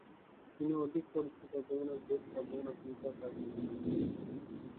তিনি অধিক পরিচিত যমুনা গ্রুপ ও যমুনা ফিউচার পার্ক এর জন্য।